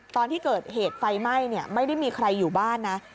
ตอนที่เกิดเหตุไฟไหม้ไม่ได้มีใครอยู่บ้านนะ